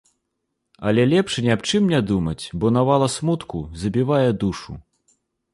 Але лепш ні аб чым не думаць, бо навала смутку забівае душу.